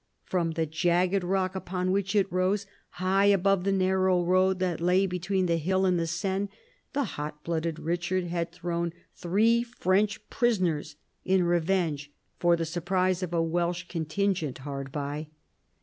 From the jagged rock upon which it rose high above the narrow road that lay between the hill and the Seine, the hot blooded Richard had thrown three French prisoners, in revenge for the surprise of a Welsh contingent hard by.